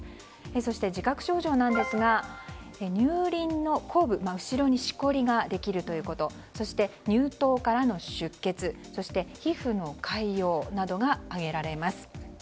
そして、自覚症状なんですが乳輪の後部、後ろにしこりができるということそして乳頭からの出血そして皮膚の潰瘍などが挙げられます。